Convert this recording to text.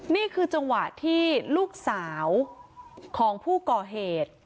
นี่คือจังหวะที่ลูกสาวของผู้ก่อเหตุ